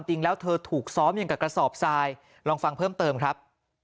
จริงแล้วเธอถูกซ้อมอย่างกับกระสอบทรายลองฟังเพิ่มเติมครับ